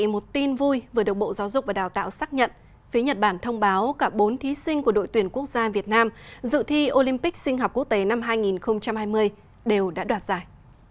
một tin vui vừa được bộ giáo dục và đào tạo xác nhận phía nhật bản thông báo cả bốn thí sinh của đội tuyển quốc gia việt nam dự thi olympic sinh học quốc tế năm hai nghìn hai mươi đều đã đoạt giải